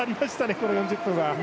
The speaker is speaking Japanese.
この４０分は。